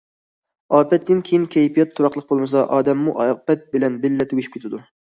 ئاپەتتىن كېيىن كەيپىيات تۇراقلىق بولمىسا، ئادەممۇ ئاپەت بىلەن بىللە تۈگىشىپ كېتىدۇ.